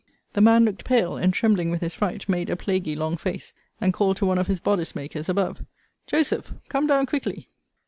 The man looked pale: and, trembling with his fright, made a plaguy long face; and called to one of his bodice makers above, Joseph, come down quickly.